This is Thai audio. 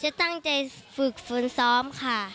จะตั้งใจฝึกฝนซ้อมค่ะ